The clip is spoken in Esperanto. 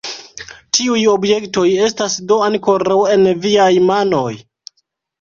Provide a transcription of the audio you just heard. Tiuj objektoj estas do ankoraŭ en viaj manoj?